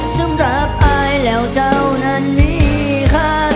สำหรับตายแล้วเจ้านั้นมีค่ะ